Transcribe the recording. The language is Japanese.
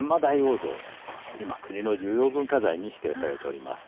今国の重要文化財に指定されております。